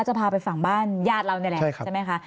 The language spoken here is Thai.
จะพาไปฝั่งบ้านญาติเรานี่แหละ